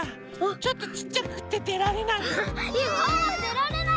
ちょっとちっちゃくてでられない。